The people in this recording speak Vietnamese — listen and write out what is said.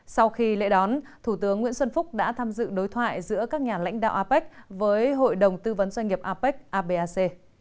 sau khi lễ đón thủ tướng nguyễn xuân phúc đã tham dự đối thoại giữa các nhà lãnh đạo apec với hội đồng tư vấn doanh nghiệp apec abac